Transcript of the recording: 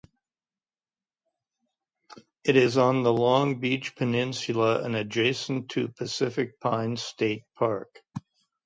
It is on the Long Beach Peninsula and adjacent to Pacific Pines State Park.